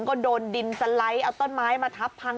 ก็โดนดินสไลด์เอาต้นไม้มาทับพัง